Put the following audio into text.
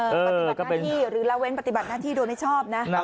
ปฏิบัติหน้าที่หรือละเว้นปฏิบัติหน้าที่โดยไม่ชอบนะ